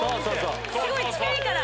すごい近いから！